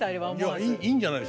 いやいいんじゃないですか。